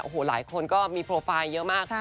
โอ้โหหลายคนก็มีโปรไฟล์เยอะมาก